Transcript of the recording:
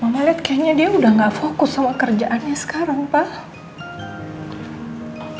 mama lihat kayaknya dia udah gak fokus sama kerjaannya sekarang pak